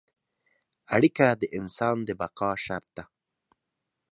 اړیکه د انسان د بقا شرط ده.